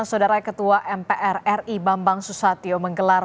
saudara ketua mpr ri bambang susatyo menggelar